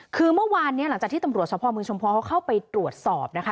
คือเมื่อวานนี้หลังจากที่ตำรวจสภเมืองชุมพรเขาเข้าไปตรวจสอบนะคะ